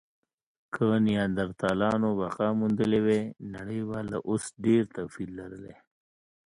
که نیاندرتالانو بقا موندلې وی، نړۍ به له اوس ډېر توپیر لرلی.